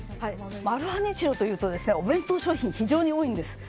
マルハニチロというとお弁当商品が非常に多いんです。